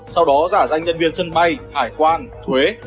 sau đó giả danh nhân viên sân bay hải quan thuế